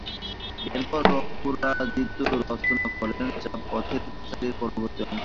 এরপর অপরাজিত রচনা করেন যা পথের পাঁচালীরই পরবর্তী অংশ।